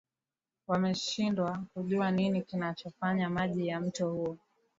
wameshindwa kujua nini kinachofanya maji ya mto huo